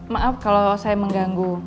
maaf kalau saya mengganggu